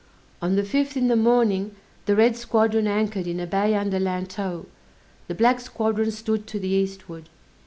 On the fifth, in the morning, the red squadron anchored in a bay under Lantow; the black squadron stood to the eastward.